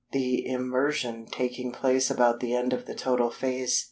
the immersion taking place about the end of the total phase.